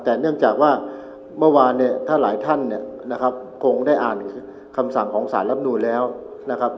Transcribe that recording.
แต่เนื่องจากว่าเมื่อวานเนี่ยถ้าหลายท่านเนี่ยนะครับคงได้อ่านคำสั่งของสารรับนูนแล้วนะครับ